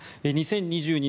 ２０２２